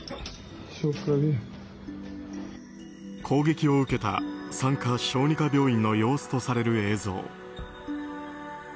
攻撃を受けた産科・小児科病院の様子とされる映像。